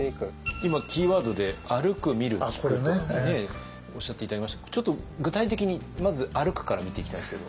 今キーワードで「あるく・みる・きく」とねおっしゃって頂きましたがちょっと具体的にまず「あるく」から見ていきたいんですけど。